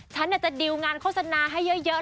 ฉันอาจจะดีลงานโฆษณาให้เยอะเลยจ้า